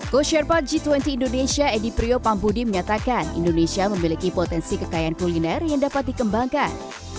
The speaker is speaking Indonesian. kosher pak g dua puluh indonesia edi priyo pampudi mengatakan indonesia memiliki potensi kekayaan kuliner yang dapat dikembangkan